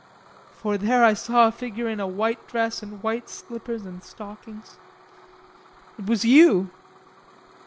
For there I saw a figure in a white dress and white slippers and stockings it was you!